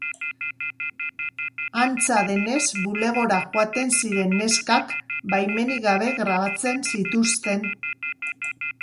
Antza denez, bulegora joaten ziren neskak baimenik gabe grabatzen zituzten.